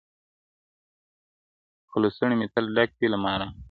خو لستوڼي مو تل ډک وي له مارانو-